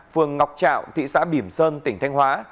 phường ngọc trạo thị xã bỉm sơn tỉnh thanh hóa